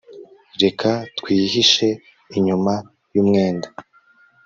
reka twihishe inyuma yumwenda